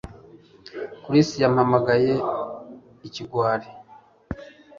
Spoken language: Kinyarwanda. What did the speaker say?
Chris yampamagaye ikigwari